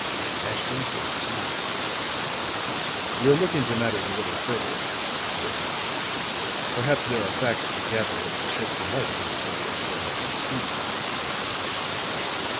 Ashton Kirk smiled. "We'll look into matters a little further," said he. "Perhaps there are facts to be gathered that will shed some light upon the things that we have already seen."